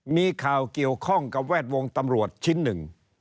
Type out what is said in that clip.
มีข่าวเกี่ยวข้องกับแวดวงตำรวจชิ้นหนึ่ง